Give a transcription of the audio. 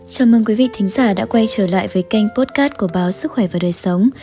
chào mừng quý vị thí giả đã quay trở lại với kênh potcat của báo sức khỏe và đời sống